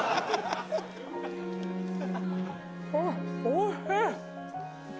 おいしい。